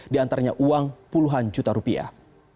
diantaranya uang puluhan juta rupiah